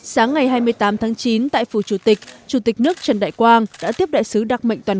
sáng ngày hai mươi tám tháng chín tại phủ chủ tịch chủ tịch nước trần đại quang đã tiếp đại sứ đặc mệnh toàn